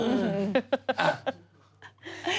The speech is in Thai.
อืม